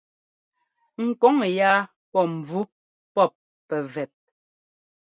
Ŋ kɔŋ yáa pɔ́ mvú pɔ́p pɛvɛt.